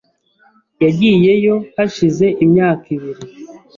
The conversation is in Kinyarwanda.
Yagiyeyo hashize imyaka ibiri